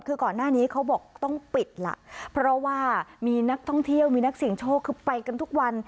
คือก่อนหน้านี้เขาบอกต้องปิดล่ะเพราะว่ามีนักท่องเที่ยวมีนักเสียงโชคคือไปกันทุกวัน